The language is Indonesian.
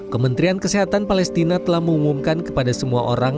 kementerian kesehatan palestina telah mengumumkan kepada semua orang